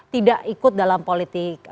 tidak ikut dalam politik